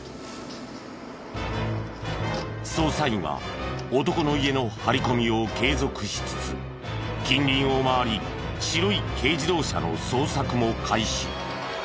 捜査員は男の家の張り込みを継続しつつ近隣を回り白い軽自動車の捜索も開始。